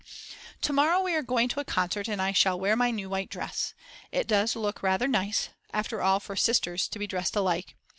To morrow we are going to a concert and I shall wear my new white dress. It does look rather nice after all for sisters to be dressed alike.